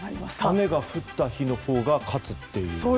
雨が降った日のほうが勝つと。